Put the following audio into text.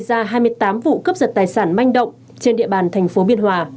gây ra hai mươi tám vụ cướp giật tài sản manh động trên địa bàn thành phố biên hòa